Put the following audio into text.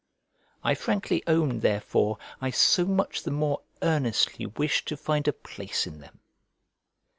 I frankly own therefore I so much the more earnestly wish to find a place in them.